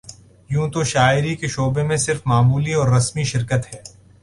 یوں تو شاعری کے شعبے میں صرف معمولی اور رسمی شرکت ہے